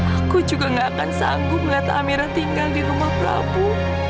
aku juga gak akan sanggup melihat amera tinggal di rumah prabu